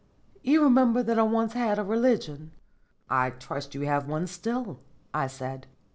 You remember that I once had a religion?" "I trust you have one still," I said.